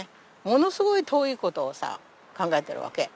ものすごく遠いことをさ考えてるわけ。